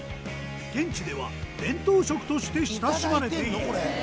現地では伝統食として親しまれている。